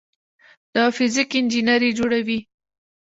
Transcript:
د فزیک انجینري جوړوي.